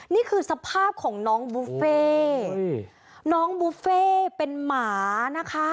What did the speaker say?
นี่คือสภาพของน้องบุฟเฟ่น้องบุฟเฟ่เป็นหมานะคะ